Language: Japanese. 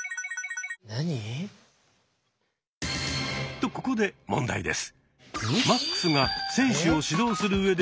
とここで問題です。